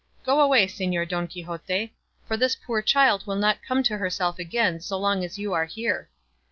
Go away, Señor Don Quixote; for this poor child will not come to herself again so long as you are here."